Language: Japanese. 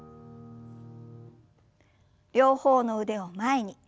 両方の腕を前に。